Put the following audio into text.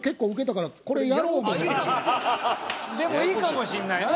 でもいいかもしんないね。